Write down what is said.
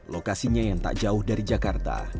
lokasinya yang tak jauh dari jakarta